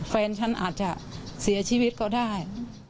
แฟนฉันอาจจะเสียชีวิตก็ได้